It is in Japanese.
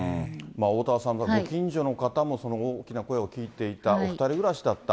おおたわさん、ご近所の方もその大きな声を聞いていた、お２人暮らしだった。